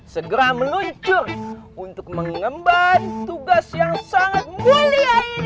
segera meluncur untuk mengemban tugas yang sangat mulia